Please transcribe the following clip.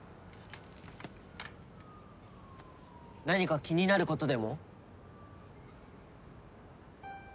何か気になることでも？